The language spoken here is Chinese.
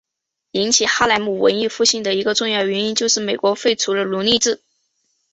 引起哈莱姆文艺复兴的一个重要原因就是美国废除了奴隶制。